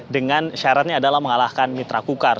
dengan syaratnya adalah mengalahkan mitra kukar